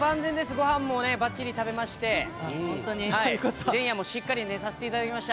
ごはんもばっちり食べまして、前夜もしっかり寝させていただきました。